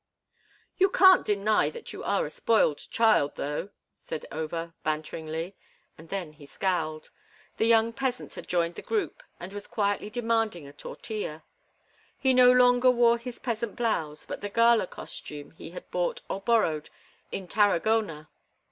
"You can't deny that you are a spoiled child, though," said Over, banteringly, and then he scowled. The young peasant had joined the group and was quietly demanding a tortilla. He no longer wore his peasant blouse, but the gala costume he had bought or borrowed in Tarragona.